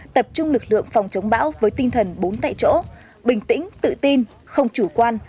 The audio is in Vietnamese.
tập trung lực lượng phòng chống bão với tinh thần bốn tại chỗ bình tĩnh tự tin không chủ quan